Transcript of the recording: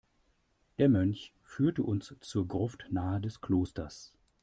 Der Mönch führte uns zur Gruft nahe des Klosters.